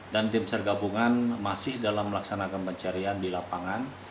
dan tim sar gabungan masih dalam melaksanakan pencarian di lapangan